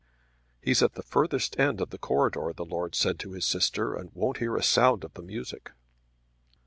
"He's at the furthest end of the corridor," the Lord said to his sister, "and won't hear a sound of the music."